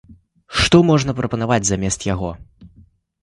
Што можна прапанаваць замест яго?